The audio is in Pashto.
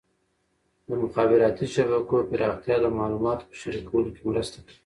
د مخابراتي شبکو پراختیا د معلوماتو په شریکولو کې مرسته کوي.